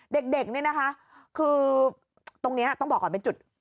เด็กเนี่ยนะคะคือตรงนี้ต้องบอกก่อนเป็นจุด